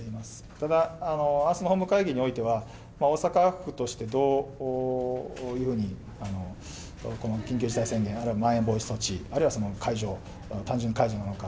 ただ、あすの本部会議においては、大阪府としてどういうふうに、この緊急事態宣言、あるいはあるいはまん延防止措置、あるいは解除、単純に解除なのか、